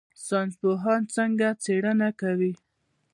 ساینس پوهان څنګه څیړنه کوي؟